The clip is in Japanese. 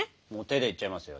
手でいっちゃいますよ。